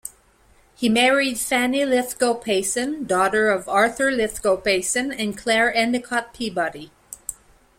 He married Fannie Lithgow Payson, daughter of Arthur Lithgow Payson and Claire Endicott Peabody.